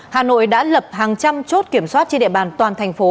hà nội đã lập hàng trăm chốt kiểm soát trên địa bàn toàn thành phố